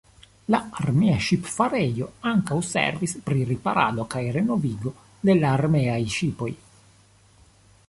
La armea ŝipfarejo ankaŭ servis pri riparado kaj renovigo de la armeaj ŝipoj.